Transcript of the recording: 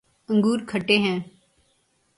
انگور کھٹے ہیں